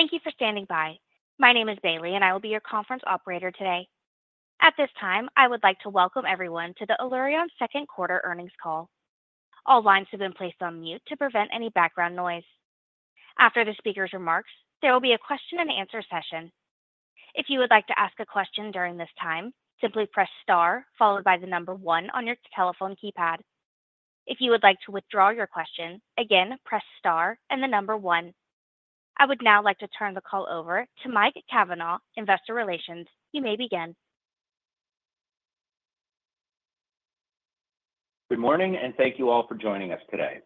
Thank you for standing by. My name is Bailey, and I will be your conference operator today. At this time, I would like to welcome everyone to the Allurion second quarter earnings call. All lines have been placed on mute to prevent any background noise. After the speaker's remarks, there will be a question and answer session. If you would like to ask a question during this time, simply press star followed by the number one on your telephone keypad. If you would like to withdraw your question, again, press star and the number one. I would now like to turn the call over to Mike Cavanagh, Investor Relations. You may begin. Good morning, and thank you all for joining us today.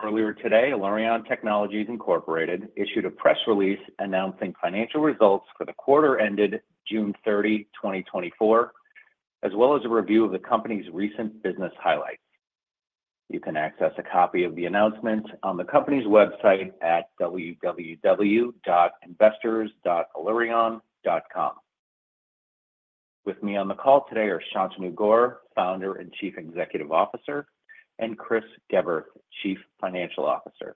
Earlier today, Allurion Technologies Incorporated issued a press release announcing financial results for the quarter ended June 30, 2024, as well as a review of the company's recent business highlights. You can access a copy of the announcement on the company's website at www.investors.allurion.com. With me on the call today are Shantanu Gaur, Founder and Chief Executive Officer, and Chris Geberth, Chief Financial Officer.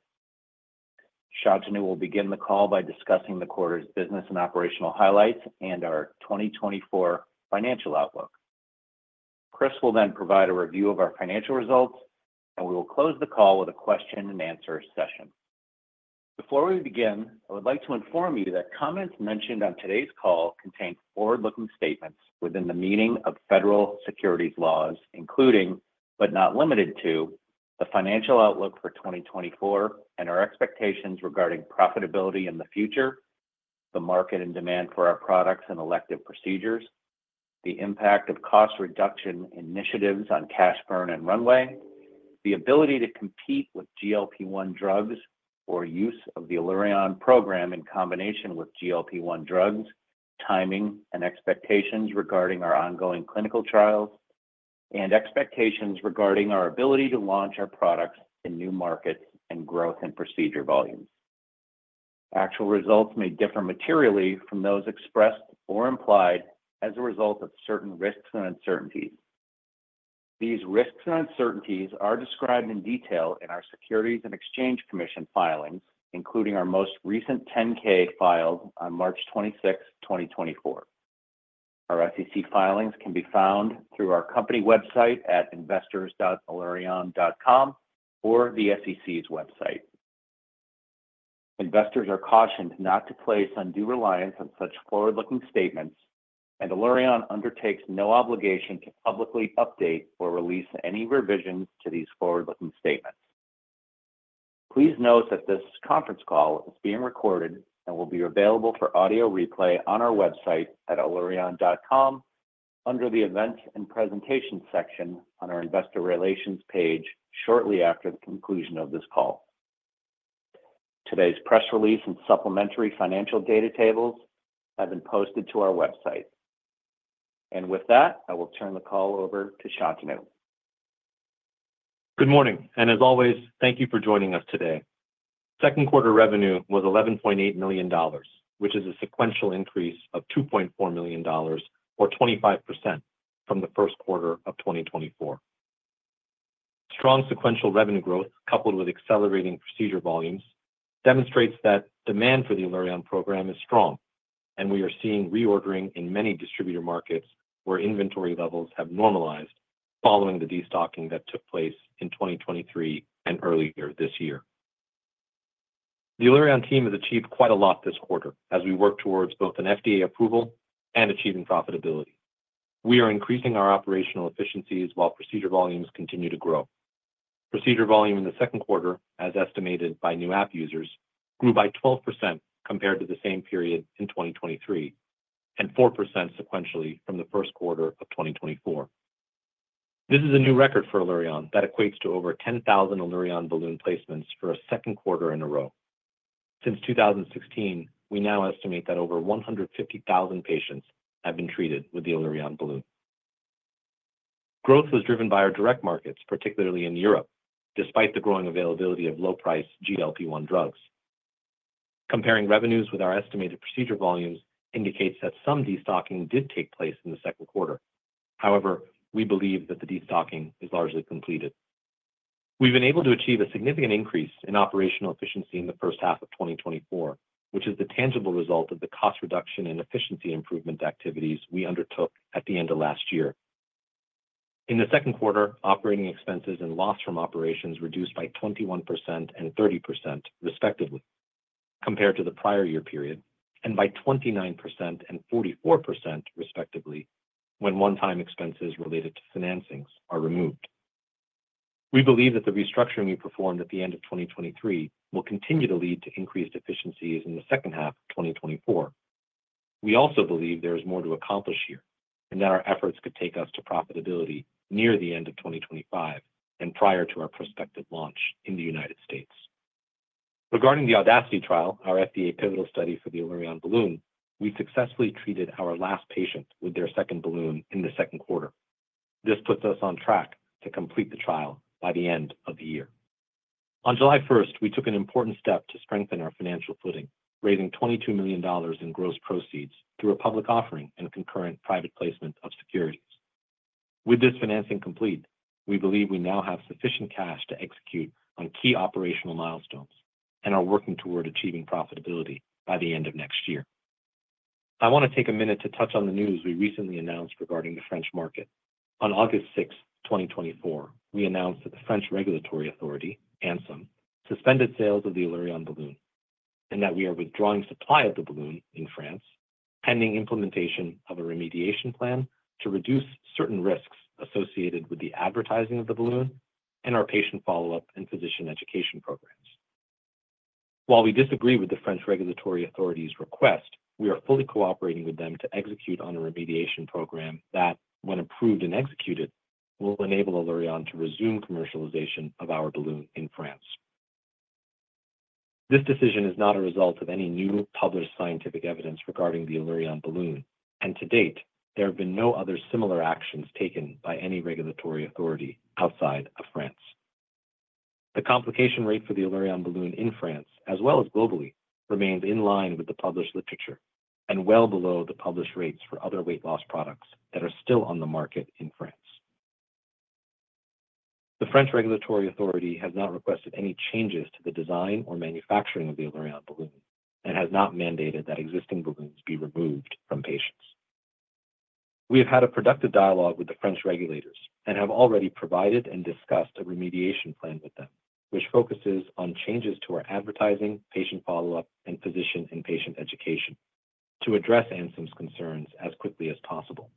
Shantanu will begin the call by discussing the quarter's business and operational highlights and our 2024 financial outlook. Chris will then provide a review of our financial results, and we will close the call with a question and answer session. Before we begin, I would like to inform you that comments mentioned on today's call contain forward-looking statements within the meaning of federal securities laws, including, but not limited to, the financial outlook for 2024 and our expectations regarding profitability in the future, the market and demand for our products and elective procedures, the impact of cost reduction initiatives on cash burn and runway, the ability to compete with GLP-1 drugs, or use of the Allurion Program in combination with GLP-1 drugs, timing and expectations regarding our ongoing clinical trials, and expectations regarding our ability to launch our products in new markets, and growth and procedure volumes. Actual results may differ materially from those expressed or implied as a result of certain risks and uncertainties. These risks and uncertainties are described in detail in our Securities and Exchange Commission filings, including our most recent 10-K filed on March 26, 2024. Our SEC filings can be found through our company website at investors.allurion.com or the SEC's website. Investors are cautioned not to place undue reliance on such forward-looking statements, and Allurion undertakes no obligation to publicly update or release any revisions to these forward-looking statements. Please note that this conference call is being recorded and will be available for audio replay on our website at allurion.com under the Events and Presentation section on our Investor Relations page shortly after the conclusion of this call. Today's press release and supplementary financial data tables have been posted to our website. With that, I will turn the call over to Shantanu. Good morning, and as always, thank you for joining us today. Second quarter revenue was $11.8 million, which is a sequential increase of $2.4 million, or 25%, from the first quarter of 2024. Strong sequential revenue growth, coupled with accelerating procedure volumes, demonstrates that demand for the Allurion Program is strong, and we are seeing reordering in many distributor markets where inventory levels have normalized following the destocking that took place in 2023 and earlier this year. The Allurion team has achieved quite a lot this quarter as we work towards both an FDA approval and achieving profitability. We are increasing our operational efficiencies while procedure volumes continue to grow. Procedure volume in the second quarter, as estimated by new app users, grew by 12% compared to the same period in 2023, and 4% sequentially from the first quarter of 2024. This is a new record for Allurion that equates to over 10,000 Allurion balloon placements for a second quarter in a row. Since 2016, we now estimate that over 150,000 patients have been treated with the Allurion balloon. Growth was driven by our direct markets, particularly in Europe, despite the growing availability of low-price GLP-1 drugs. Comparing revenues with our estimated procedure volumes indicates that some destocking did take place in the second quarter. However, we believe that the destocking is largely completed. We've been able to achieve a significant increase in operational efficiency in the first half of 2024, which is the tangible result of the cost reduction and efficiency improvement activities we undertook at the end of last year. In the second quarter, operating expenses and loss from operations reduced by 21% and 30%, respectively, compared to the prior year period, and by 29% and 44%, respectively, when one-time expenses related to financings are removed. We believe that the restructuring we performed at the end of 2023 will continue to lead to increased efficiencies in the second half of 2024. We also believe there is more to accomplish here, and that our efforts could take us to profitability near the end of 2025 and prior to our prospective launch in the United States. Regarding the AUDACITY trial, our FDA pivotal study for the Allurion Balloon, we successfully treated our last patient with their second balloon in the second quarter. This puts us on track to complete the trial by the end of the year. On July first, we took an important step to strengthen our financial footing, raising $22 million in gross proceeds through a public offering and concurrent private placement of securities. With this financing complete, we believe we now have sufficient cash to execute on key operational milestones and are working toward achieving profitability by the end of next year. I want to take a minute to touch on the news we recently announced regarding the French market. On August 6, 2024, we announced that the French regulatory authority, ANSM, suspended sales of the Allurion Balloon, and that we are withdrawing supply of the balloon in France, pending implementation of a remediation plan to reduce certain risks associated with the advertising of the balloon and our patient follow-up and physician education programs. While we disagree with the French regulatory authority's request, we are fully cooperating with them to execute on a remediation program that, when approved and executed, will enable Allurion to resume commercialization of our balloon in France. This decision is not a result of any new published scientific evidence regarding the Allurion Balloon, and to date, there have been no other similar actions taken by any regulatory authority outside of France. The complication rate for the Allurion Balloon in France, as well as globally, remains in line with the published literature and well below the published rates for other weight loss products that are still on the market in France. The French regulatory authority has not requested any changes to the design or manufacturing of the Allurion Balloon and has not mandated that existing balloons be removed from patients. We have had a productive dialogue with the French regulators and have already provided and discussed a remediation plan with them, which focuses on changes to our advertising, patient follow-up, and physician and patient education to address ANSM's concerns as quickly as possible.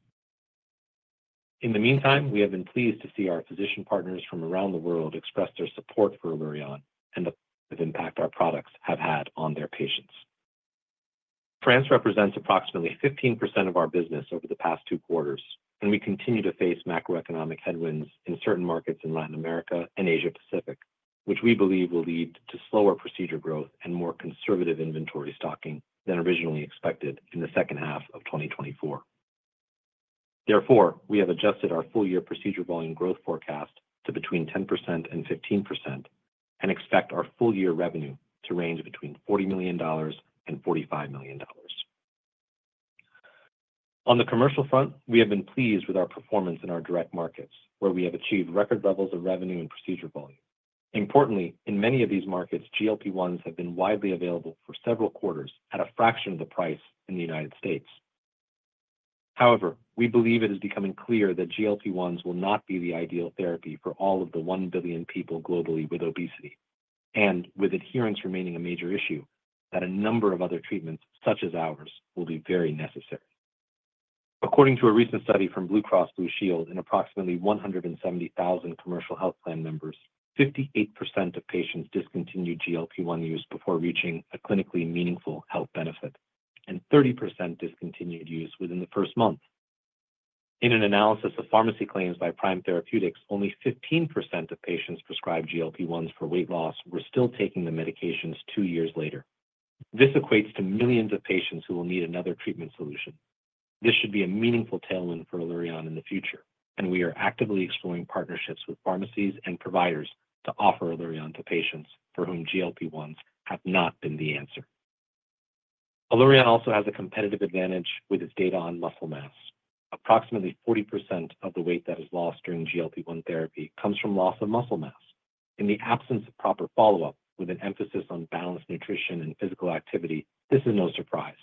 In the meantime, we have been pleased to see our physician partners from around the world express their support for Allurion and the impact our products have had on their patients. France represents approximately 15% of our business over the past two quarters, and we continue to face macroeconomic headwinds in certain markets in Latin America and Asia Pacific, which we believe will lead to slower procedure growth and more conservative inventory stocking than originally expected in the second half of 2024. Therefore, we have adjusted our full-year procedure volume growth forecast to between 10% and 15%, and expect our full-year revenue to range between $40 million and $45 million. On the commercial front, we have been pleased with our performance in our direct markets, where we have achieved record levels of revenue and procedure volume. Importantly, in many of these markets, GLP-1s have been widely available for several quarters at a fraction of the price in the United States. However, we believe it is becoming clear that GLP-1s will not be the ideal therapy for all of the 1 billion people globally with obesity, and with adherence remaining a major issue, that a number of other treatments, such as ours, will be very necessary. According to a recent study from Blue Cross Blue Shield, in approximately 170,000 commercial health plan members, 58% of patients discontinued GLP-1 use before reaching a clinically meaningful health benefit, and 30% discontinued use within the first month. In an analysis of pharmacy claims by Prime Therapeutics, only 15% of patients prescribed GLP-1s for weight loss were still taking the medications two years later. This equates to millions of patients who will need another treatment solution. This should be a meaningful tailwind for Allurion in the future, and we are actively exploring partnerships with pharmacies and providers to offer Allurion to patients for whom GLP-1s have not been the answer. Allurion also has a competitive advantage with its data on muscle mass. Approximately 40% of the weight that is lost during GLP-1 therapy comes from loss of muscle mass. In the absence of proper follow-up, with an emphasis on balanced nutrition and physical activity, this is no surprise.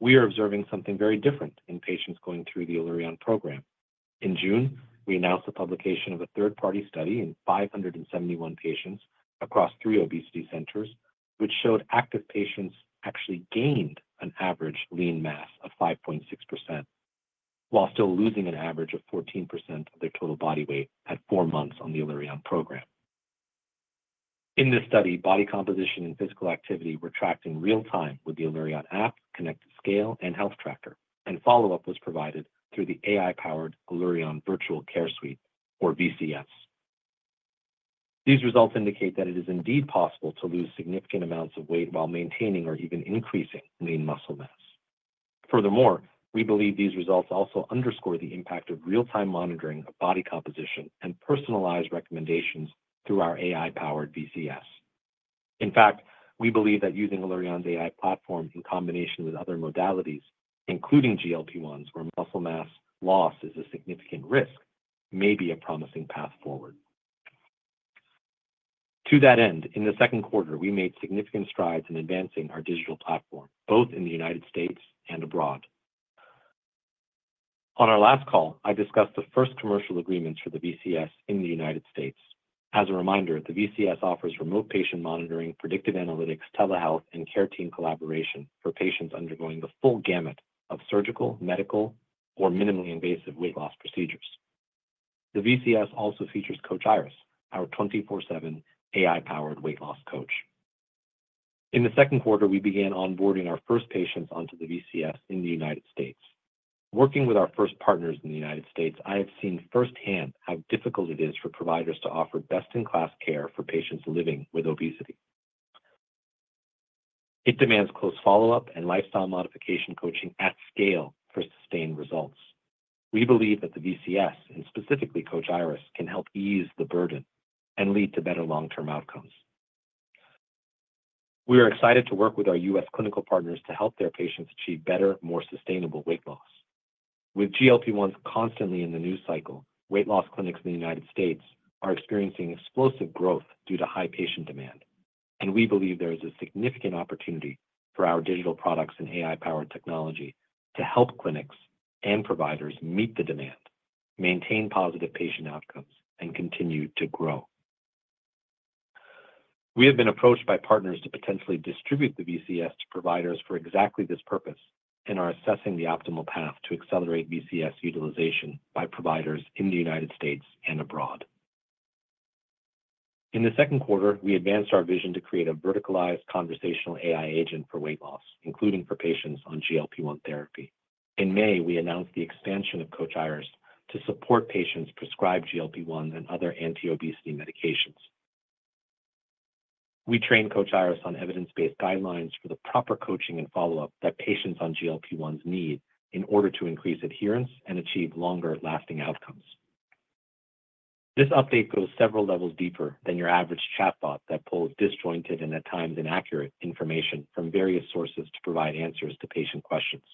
We are observing something very different in patients going through the Allurion program. In June, we announced the publication of a third-party study in 571 patients across three obesity centers, which showed active patients actually gained an average lean mass of 5.6%, while still losing an average of 14% of their total body weight at 4 months on the Allurion Program. In this study, body composition and physical activity were tracked in real time with the Allurion App, connected scale, and health tracker, and follow-up was provided through the AI-powered Allurion Virtual Care Suite, or VCS. These results indicate that it is indeed possible to lose significant amounts of weight while maintaining or even increasing lean muscle mass. Furthermore, we believe these results also underscore the impact of real-time monitoring of body composition and personalized recommendations through our AI-powered VCS. In fact, we believe that using Allurion's AI platform in combination with other modalities, including GLP-1s, where muscle mass loss is a significant risk, may be a promising path forward. To that end, in the second quarter, we made significant strides in advancing our digital platform, both in the United States and abroad. On our last call, I discussed the first commercial agreements for the VCS in the United States. As a reminder, the VCS offers remote patient monitoring, predictive analytics, telehealth, and care team collaboration for patients undergoing the full gamut of surgical, medical, or minimally invasive weight loss procedures. The VCS also features Coach Iris, our 24/7 AI-powered weight loss coach. In the second quarter, we began onboarding our first patients onto the VCS in the United States. Working with our first partners in the United States, I have seen firsthand how difficult it is for providers to offer best-in-class care for patients living with obesity. It demands close follow-up and lifestyle modification coaching at scale for sustained results. We believe that the VCS, and specifically Coach Iris, can help ease the burden and lead to better long-term outcomes. We are excited to work with our U.S. clinical partners to help their patients achieve better, more sustainable weight loss. With GLP-1s constantly in the news cycle, weight loss clinics in the United States are experiencing explosive growth due to high patient demand, and we believe there is a significant opportunity for our digital products and AI-powered technology to help clinics and providers meet the demand, maintain positive patient outcomes, and continue to grow. We have been approached by partners to potentially distribute the VCS to providers for exactly this purpose and are assessing the optimal path to accelerate VCS utilization by providers in the United States and abroad. In the second quarter, we advanced our vision to create a verticalized conversational AI agent for weight loss, including for patients on GLP-1 therapy. In May, we announced the expansion of Coach Iris to support patients prescribed GLP-1 and other anti-obesity medications. We trained Coach Iris on evidence-based guidelines for the proper coaching and follow-up that patients on GLP-1s need in order to increase adherence and achieve longer-lasting outcomes. This update goes several levels deeper than your average chatbot that pulls disjointed and, at times, inaccurate information from various sources to provide answers to patient questions.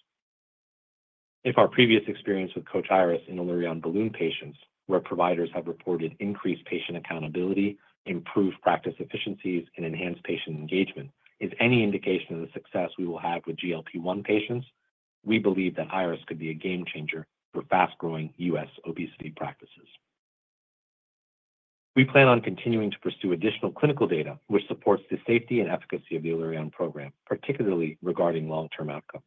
If our previous experience with Coach Iris in Allurion Balloon patients, where providers have reported increased patient accountability, improved practice efficiencies, and enhanced patient engagement, is any indication of the success we will have with GLP-1 patients, we believe that Iris could be a game-changer for fast-growing U.S. obesity practices. We plan on continuing to pursue additional clinical data, which supports the safety and efficacy of the Allurion Program, particularly regarding long-term outcomes.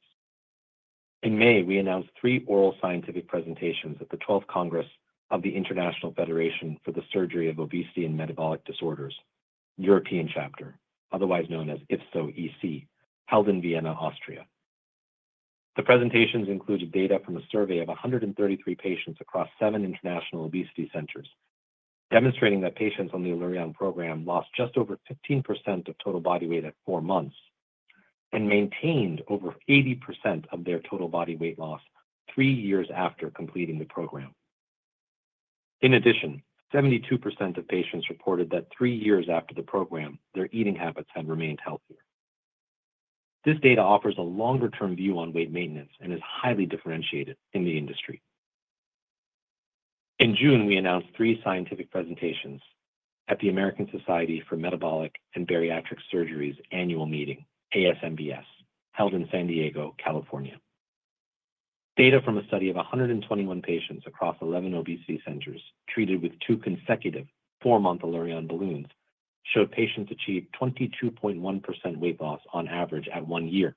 In May, we announced three oral scientific presentations at the Twelfth Congress of the International Federation for the Surgery of Obesity and Metabolic Disorders, European Chapter, otherwise known as IFSO EC, held in Vienna, Austria. The presentations included data from a survey of 133 patients across seven international obesity centers, demonstrating that patients on the Allurion Program lost just over 15% of total body weight at four months and maintained over 80% of their total body weight loss three years after completing the program. In addition, 72% of patients reported that three years after the program, their eating habits had remained healthier. This data offers a longer-term view on weight maintenance and is highly differentiated in the industry. In June, we announced three scientific presentations at the American Society for Metabolic and Bariatric Surgery's annual meeting, ASMBS, held in San Diego, California. Data from a study of 121 patients across 11 obesity centers treated with two consecutive four-month Allurion balloons showed patients achieved 22.1% weight loss on average at one year.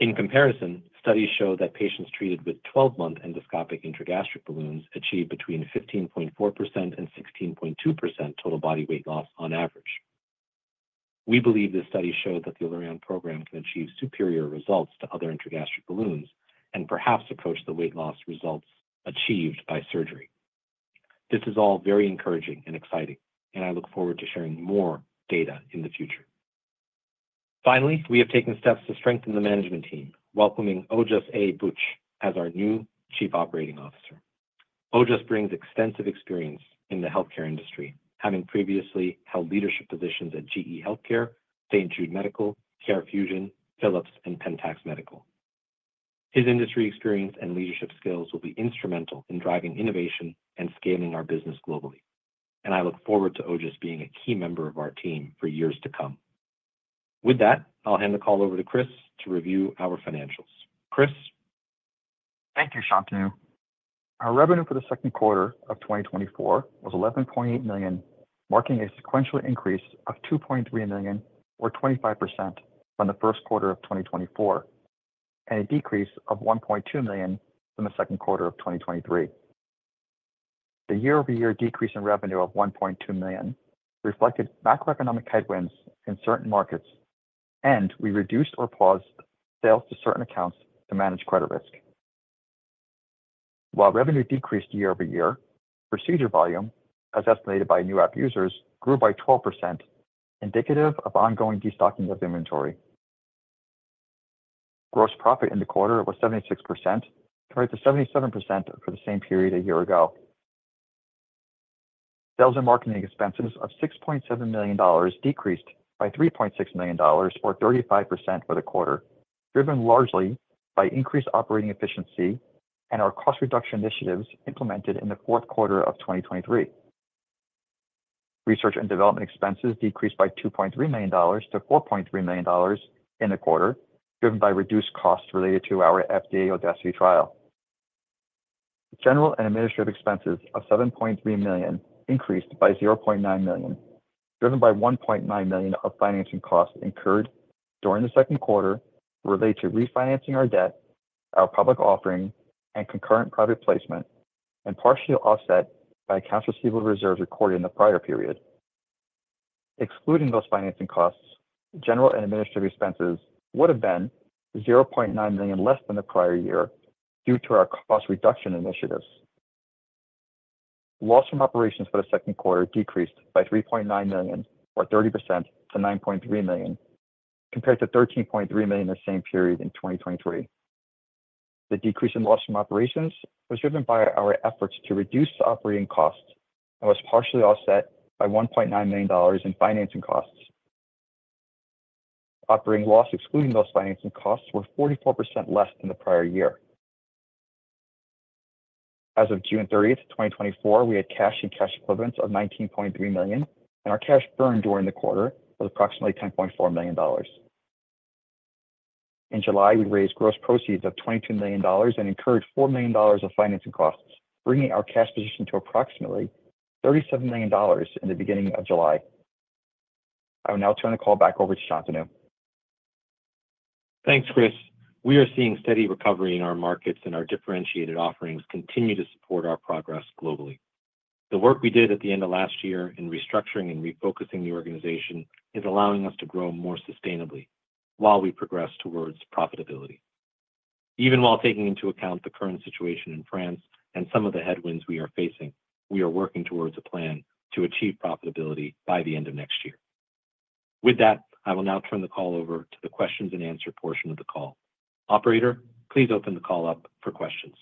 In comparison, studies show that patients treated with 12-month endoscopic intragastric balloons achieved between 15.4% and 16.2% total body weight loss on average. We believe this study showed that the Allurion Program can achieve superior results to other intragastric balloons and perhaps approach the weight loss results achieved by surgery. This is all very encouraging and exciting, and I look forward to sharing more data in the future. Finally, we have taken steps to strengthen the management team, welcoming Ojas A. Buch as our new Chief Operating Officer. Ojas brings extensive experience in the healthcare industry, having previously held leadership positions at GE Healthcare, St. Jude Medical, CareFusion, Philips, and Pentax Medical. His industry experience and leadership skills will be instrumental in driving innovation and scaling our business globally, and I look forward to Ojas being a key member of our team for years to come. With that, I'll hand the call over to Chris to review our financials. Chris? Thank you, Shantanu. Our revenue for the second quarter of 2024 was $11.8 million, marking a sequential increase of $2.3 million or 25% from the first quarter of 2024, and a decrease of $1.2 million from the second quarter of 2023. The year-over-year decrease in revenue of $1.2 million reflected macroeconomic headwinds in certain markets, and we reduced or paused sales to certain accounts to manage credit risk. While revenue decreased year over year, procedure volume, as estimated by new app users, grew by 12%, indicative of ongoing destocking of inventory. Gross profit in the quarter was 76%, compared to 77% for the same period a year ago. Sales and marketing expenses of $6.7 million decreased by $3.6 million or 35% for the quarter, driven largely by increased operating efficiency and our cost reduction initiatives implemented in the fourth quarter of 2023. Research and development expenses decreased by $2.3 million to $4.3 million in the quarter, driven by reduced costs related to our FDA AUDACITY trial. General and administrative expenses of $7.3 million increased by $0.9 million, driven by $1.9 million of financing costs incurred during the second quarter related to refinancing our debt, our public offering, and concurrent private placement, and partially offset by accounts receivable reserves recorded in the prior period. Excluding those financing costs, general and administrative expenses would have been $0.9 million less than the prior year due to our cost reduction initiatives. Loss from operations for the second quarter decreased by $3.9 million, or 30% to $9.3 million, compared to $13.3 million the same period in 2023. The decrease in loss from operations was driven by our efforts to reduce operating costs, and was partially offset by $1.9 million in financing costs. Operating loss, excluding those financing costs, were 44% less than the prior year. As of June 30, 2024, we had cash and cash equivalents of $19.3 million, and our cash burn during the quarter was approximately $10.4 million. In July, we raised gross proceeds of $22 million and incurred $4 million of financing costs, bringing our cash position to approximately $37 million in the beginning of July. I will now turn the call back over to Shantanu. Thanks, Chris. We are seeing steady recovery in our markets, and our differentiated offerings continue to support our progress globally. The work we did at the end of last year in restructuring and refocusing the organization is allowing us to grow more sustainably while we progress towards profitability. Even while taking into account the current situation in France and some of the headwinds we are facing, we are working towards a plan to achieve profitability by the end of next year. With that, I will now turn the call over to the questions and answer portion of the call. Operator, please open the call up for questions.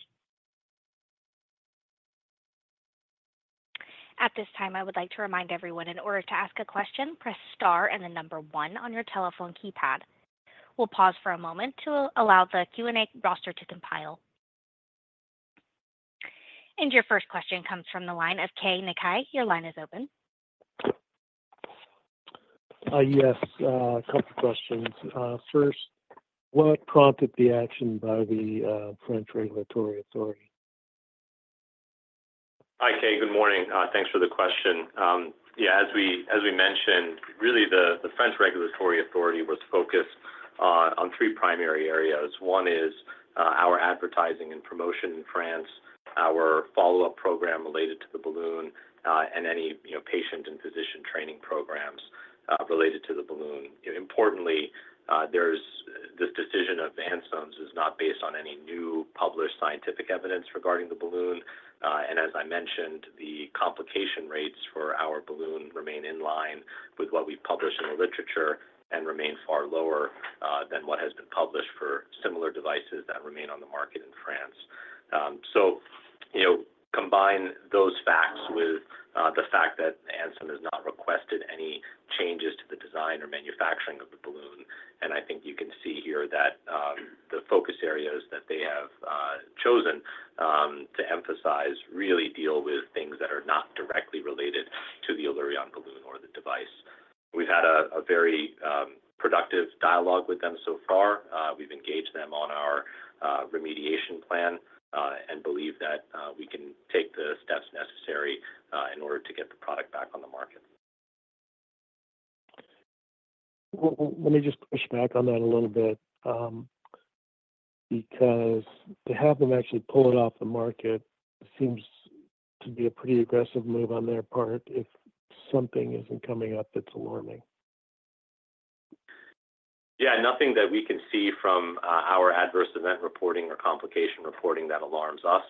At this time, I would like to remind everyone, in order to ask a question, press star and the number one on your telephone keypad. We'll pause for a moment to allow the Q&A roster to compile. Your first question comes from the line of Keay Nakae. Your line is open. Yes, a couple questions. First, what prompted the action by the French regulatory authority? Hi, Keay. Good morning. Thanks for the question. Yeah, as we, as we mentioned, really, the, the French regulatory authority was focused on, on three primary areas. One is, our advertising and promotion in France, our follow-up program related to the balloon, and any, you know, patient and physician training programs, related to the balloon. Importantly, there's this decision of ANSM is not based on any new published scientific evidence regarding the balloon. And as I mentioned, the complication rates for our balloon remain in line with what we've published in the literature and remain far lower, than what has been published for similar devices that remain on the market in France. So, you know, combine those facts with the fact that ANSM has not requested any changes to the design or manufacturing of the balloon, and I think you can see here that the focus areas that they have chosen to emphasize really deal with things that are not directly related to the Allurion balloon or the device. We've had a very productive dialogue with them so far. We've engaged them on our remediation plan and believe that we can take the steps necessary in order to get the product back on the market. Well, well, let me just push back on that a little bit, because to have them actually pull it off the market seems to be a pretty aggressive move on their part if something isn't coming up that's alarming. Yeah, nothing that we can see from our adverse event reporting or complication reporting that alarms us.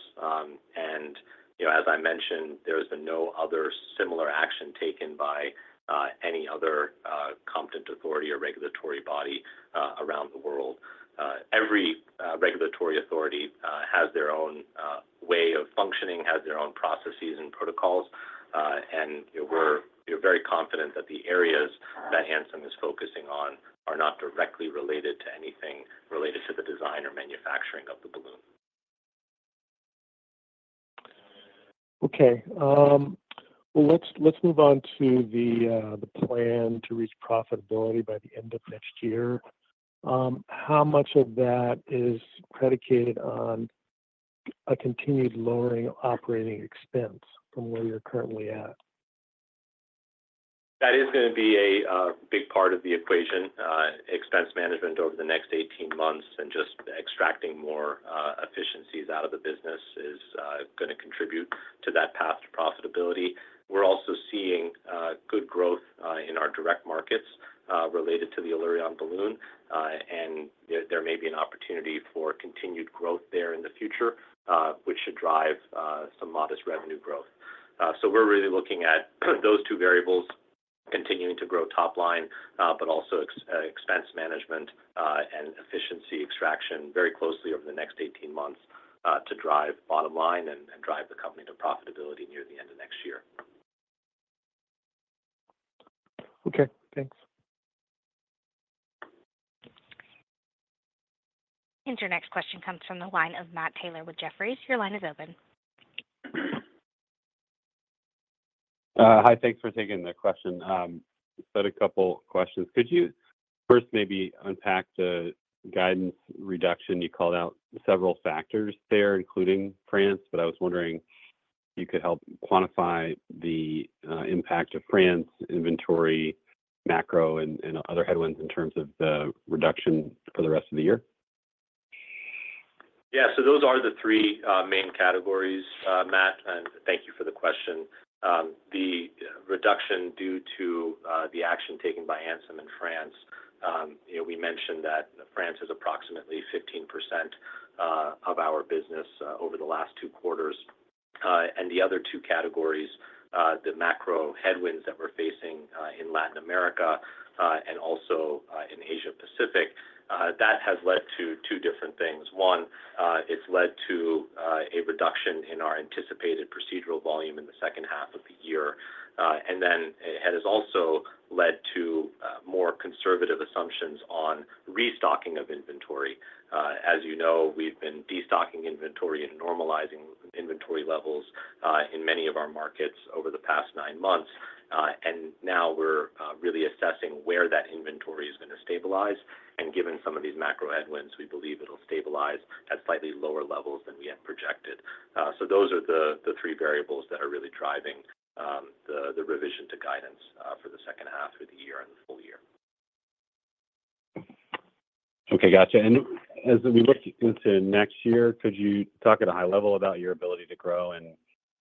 You know, as I mentioned, there has been no other similar action taken by any other competent authority or regulatory body around the world. Every regulatory authority has their own way of functioning, has their own processes and protocols. We're very confident that the areas that ANSM is focusing on are not directly related to anything related to the design or manufacturing of the balloon. Okay, well, let's move on to the plan to reach profitability by the end of next year. How much of that is predicated on a continued lowering operating expense from where you're currently at? That is gonna be a big part of the equation. Expense management over the next 18 months, and just extracting more efficiencies out of the business is gonna contribute to that path to profitability. We're also seeing good growth in our direct markets related to the Allurion Balloon. And there, there may be an opportunity for continued growth there in the future, which should drive some modest revenue growth. So we're really looking at those two variables, continuing to grow top line, but also expense management and efficiency extraction very closely over the next 18 months to drive bottom line and, and drive the company to profitability near the end of next year. Okay. Thanks. Your next question comes from the line of Matt Taylor with Jefferies. Your line is open. Hi, thanks for taking the question. So a couple questions. Could you first maybe unpack the guidance reduction? You called out several factors there, including France, but I was wondering if you could help quantify the impact of France inventory, macro, and other headwinds in terms of the reduction for the rest of the year. Yeah, so those are the three main categories, Matt, and thank you for the question. The reduction due to the action taken by ANSM in France, you know, we mentioned that France is approximately 15% of our business over the last two quarters, and the other two categories, the macro headwinds that we're facing in Latin America and also in Asia Pacific, that has led to two different things. One, it's led to a reduction in our anticipated procedural volume in the second half of the year. And then it has also led to more conservative assumptions on restocking of inventory. As you know, we've been destocking inventory and normalizing inventory levels in many of our markets over the past nine months. And now we're really assessing where that inventory is going to stabilize, and given some of these macro headwinds, we believe it'll stabilize at slightly lower levels than we had projected. So those are the three variables that are really driving the revision to guidance for the second half of the year and the full year. Okay, got you. And as we look into next year, could you talk at a high level about your ability to grow, and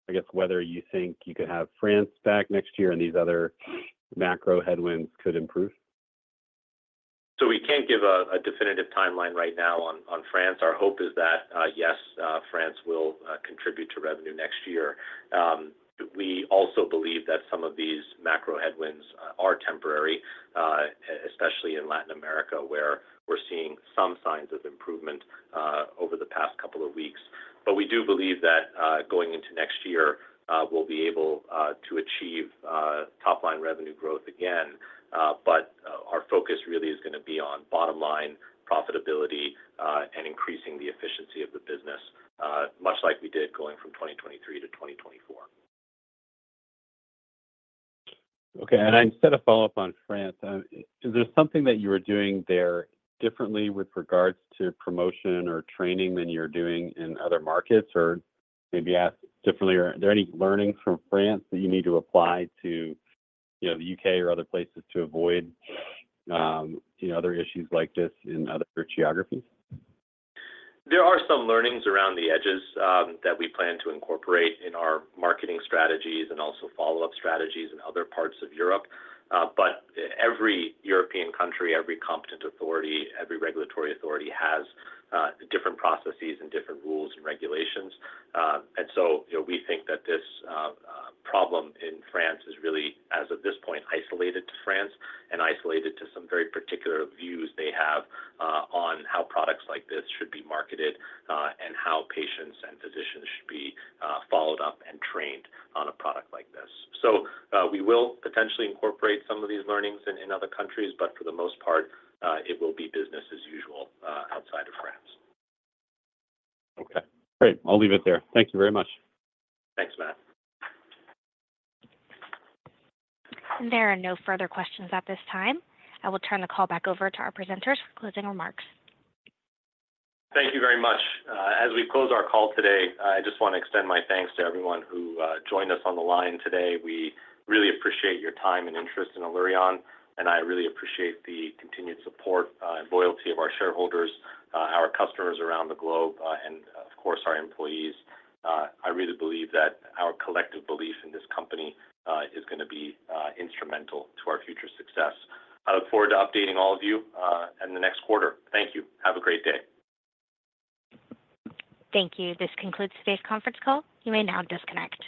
I guess whether you think you could have France back next year and these other macro headwinds could improve? So we can't give a definitive timeline right now on France. Our hope is that yes, France will contribute to revenue next year. We also believe that some of these macro headwinds are temporary, especially in Latin America, where we're seeing some signs of improvement over the past couple of weeks. But we do believe that going into next year, we'll be able to achieve top-line revenue growth again. But our focus really is gonna be on bottom-line profitability and increasing the efficiency of the business, much like we did going from 2023 to 2024. Okay. And as a follow-up on France, is there something that you are doing there differently with regards to promotion or training than you're doing in other markets? Or maybe ask differently, are there any learnings from France that you need to apply to, you know, the UK or other places to avoid, you know, other issues like this in other geographies? There are some learnings around the edges, that we plan to incorporate in our marketing strategies and also follow-up strategies in other parts of Europe. But every European country, every competent authority, every regulatory authority has different processes and different rules and regulations. And so, you know, we think that this problem in France is really, as of this point, isolated to France and isolated to some very particular views they have on how products like this should be marketed, and how patients and physicians should be followed up and trained on a product like this. So, we will potentially incorporate some of these learnings in other countries, but for the most part, it will be business as usual outside of France. Okay, great. I'll leave it there. Thank you very much. Thanks, Matt. There are no further questions at this time. I will turn the call back over to our presenters for closing remarks. Thank you very much. As we close our call today, I just want to extend my thanks to everyone who joined us on the line today. We really appreciate your time and interest in Allurion, and I really appreciate the continued support and loyalty of our shareholders, our customers around the globe, and of course, our employees. I really believe that our collective belief in this company is gonna be instrumental to our future success. I look forward to updating all of you in the next quarter. Thank you. Have a great day. Thank you. This concludes today's conference call. You may now disconnect.